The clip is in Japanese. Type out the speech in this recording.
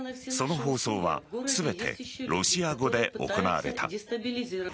その放送は全てロシア語で行われた。